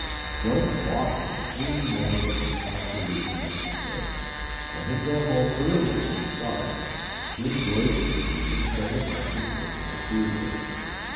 Don't walk him any more than is absolutely necessary. Let him go home early if he starts. He enjoys his sleep and doesn't like to have it interfered with.